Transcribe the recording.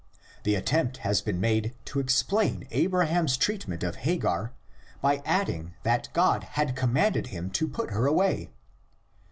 the attempt has been made to explain Abraham's treatment of Hagar by adding that God had commanded him to put her away (xxi.